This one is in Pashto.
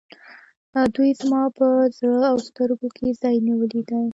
دوی زما په زړه او سترګو کې ځای نیولی دی.